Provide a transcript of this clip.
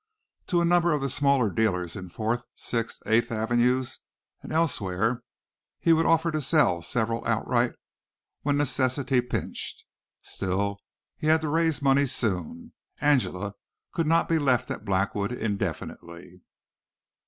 To a number of the smaller dealers in Fourth, Sixth, Eighth Avenues and elsewhere he would offer to sell several outright when necessity pinched. Still he had to raise money soon. Angela could not be left at Blackwood indefinitely.